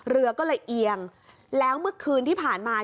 เรือก็เลยเอียงแล้วเมื่อคืนที่ผ่านมา